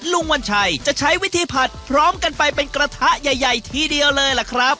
วัญชัยจะใช้วิธีผัดพร้อมกันไปเป็นกระทะใหญ่ทีเดียวเลยล่ะครับ